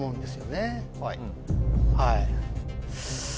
はい。